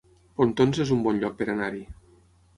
Pontons es un bon lloc per anar-hi